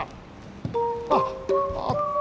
あっあった！